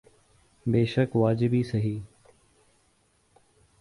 بیشک واجبی سہی۔